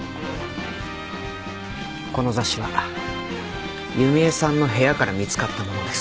この雑誌は弓江さんの部屋から見つかったものです。